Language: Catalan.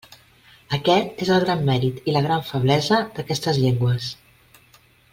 Aquest és el gran mèrit i la gran feblesa d'aquestes llengües.